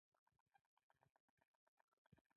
د پاکستاني میزایلو نومونه له افغان جنګیالیو سره تړل شول.